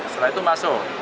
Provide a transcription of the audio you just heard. setelah itu masuk